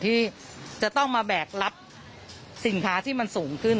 ที่จะต้องมาแบกรับสินค้าที่มันสูงขึ้น